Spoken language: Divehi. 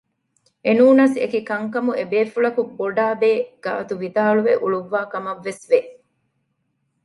އެނޫނަސް އެކިކަންކަމު އެބޭފުޅަކު ބޮޑާބޭ ގާތު ވިދާޅުވެ އުޅުއްވާ ކަމަށް ވެސް ވެ